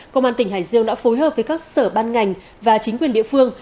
công an tỉnh hải dương đã phối hợp với các sở ban ngành và chính quyền địa phương